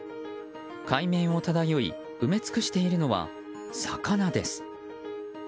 海面を漂い埋め尽くしているのは魚です。